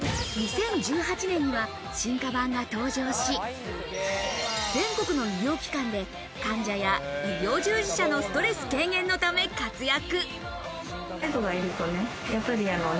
２０１８年には進化版が登場し、全国の医療機関で患者や医療従事者のストレス軽減のため活躍。